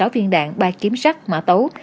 sáu phiên đạn ba kiếm sắt mã tấu